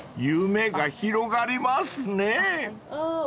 ［夢が広がりますね］